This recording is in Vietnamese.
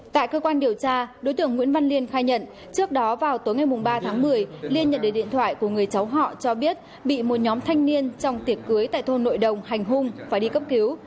tại cơ quan điều tra đối tượng nguyễn văn liên khai nhận trước đó vào tối ngày ba tháng một mươi liên nhận được điện thoại của người cháu họ cho biết bị một nhóm thanh niên trong tiệc cưới tại thôn nội đồng hành hung phải đi cấp cứu